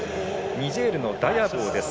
ニジェールのダヤボウです。